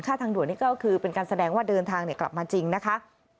ทางด่วนนี่ก็คือเป็นการแสดงว่าเดินทางกลับมาจริงนะคะ